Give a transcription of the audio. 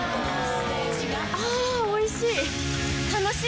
あぁおいしい！